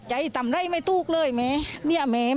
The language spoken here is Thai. เพราะถูกทำร้ายเหมือนการบาดเจ็บเนื้อตัวมีแผลถลอก